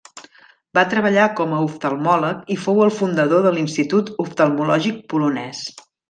Va treballar com a oftalmòleg, i fou el fundador de l'Institut Oftalmològic Polonès.